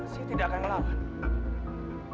saya tidak akan ngelawan